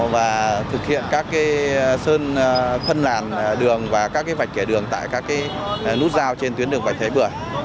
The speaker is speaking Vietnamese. và thực hiện các sơn phân làn đường và các vạch kẻ đường tại các nút giao trên tuyến đường bạch thái bưởi